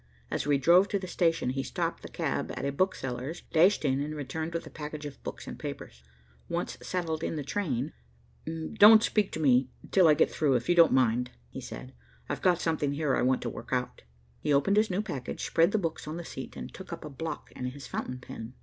As we drove to the station, he stopped the cab at a bookseller's, dashed in, and returned with a package of books and papers. Once settled in the train, "Don't speak to me till I get through, if you don't mind," he said, "I've got something here I want to work out." He opened his new package, spread the books on the seat, and took up a block and his fountain pen.